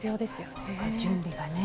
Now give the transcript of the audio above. そうか準備がね。